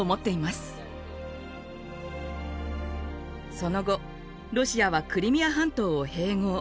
その後ロシアはクリミア半島を併合。